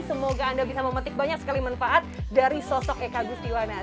semoga anda bisa memetik banyak sekali manfaat dari sosok eka gustiwana